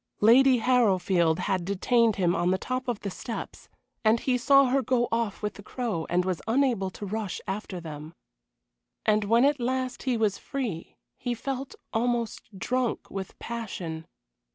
Lady Harrowfield had detained him on the top of the steps, and he saw her go off with the Crow and was unable to rush after them. And when at last he was free he felt almost drunk with passion.